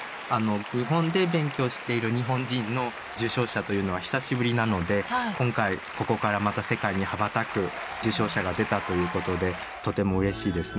日本で勉強している日本人の受賞者というのは久しぶりなので今回ここからまた世界に羽ばたく受賞者が出たということでとてもうれしいですね。